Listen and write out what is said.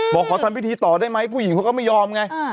ขอทำพิธีต่อได้ไหมผู้หญิงเขาก็ไม่ยอมไง